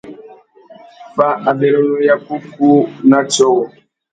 Fá abérénô ya kúkú na tiô wôō.